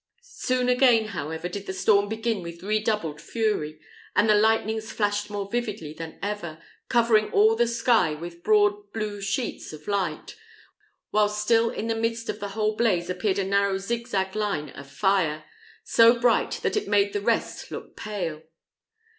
Soon again, however, did the storm begin with redoubled fury, and the lightnings flashed more vividly than ever, covering all the sky with broad blue sheets of light, while still in the midst of the whole blaze appeared a narrow zigzag line of fire, so bright that it made the rest look pale.